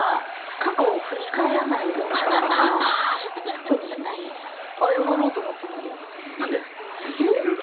特にないんだよな。